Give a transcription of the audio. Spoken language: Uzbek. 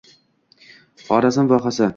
Xorazm vohasi